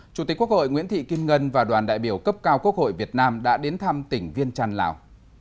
chủ tịch quốc hội nguyễn thị kim ngân và đoàn đại biểu cấp cao quốc hội việt nam đã đến thăm tỉnh viên trăn lào